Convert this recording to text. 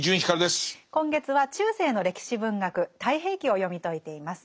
今月は中世の歴史文学「太平記」を読み解いています。